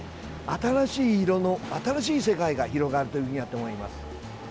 新しい色の新しい世界が広がると思います。